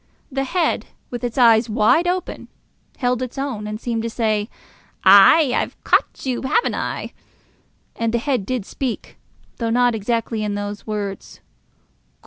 The head, with its eyes wide open, held its own, and seemed to say, "Ay, I've caught you, have I?" And the head did speak, though not exactly in those words.